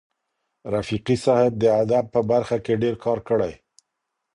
رفیقي صاحب د ادب په برخه کي ډېر کار کړی.